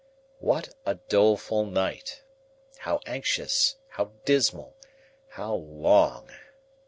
What a doleful night! How anxious, how dismal, how long!